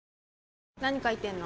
何書いてんの？